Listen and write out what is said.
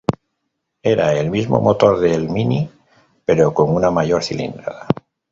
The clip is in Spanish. Era el mismo motor del Mini, pero con una mayor cilindrada.